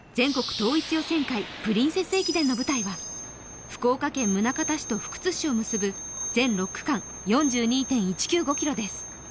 統一予選会プリンセス駅伝の舞台は福岡県宗像市と福津市を結ぶ全６区間４２．１９５ｋｍです。